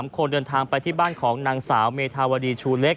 คนเดินทางไปที่บ้านของนางสาวเมธาวดีชูเล็ก